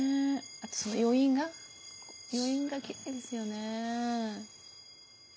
あとその余韻が余韻がきれいですよね。